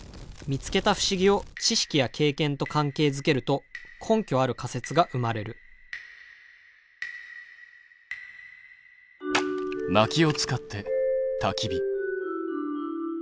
見つけた不思議を知識や経験と関係づけると根拠ある仮説が生まれるまきを使ってたき火。